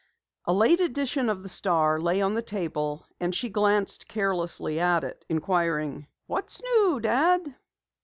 A late edition of the Star lay on the table, and she glanced carelessly at it, inquiring: "What's new, Dad?"